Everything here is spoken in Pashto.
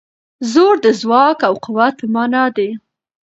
زور د ځواک او قوت په مانا دی.